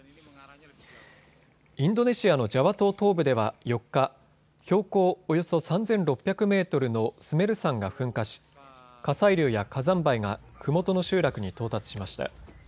インドネシアのジャワ島東部では４日、標高およそ３６００メートルのスメル山が噴火し火砕流や火山灰がふもとの集落に到達しました。